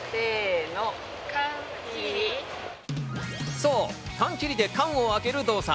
そう、缶切りで缶を開ける動作。